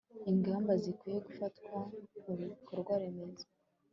ingamba zikwiye gufatwa mu bikorwaremezo